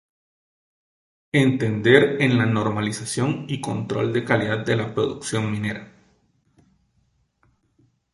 Entender en la normalización y control de calidad de la producción minera.